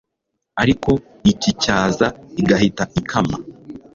ariko icyi cyaza igahita ikama